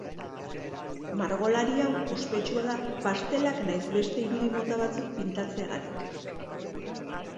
Margolari hau ospetsua da pastelak nahiz beste irudi mota batzuk pintatzeagatik.